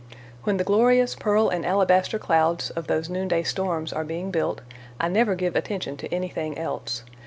When the glorious pearl and alabaster clouds of these noonday storms are being built I never give attention to anything else.